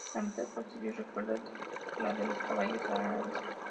La mitad posterior recuerda la de los caballos árabes.